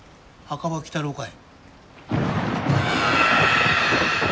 「墓場鬼太郎」かい？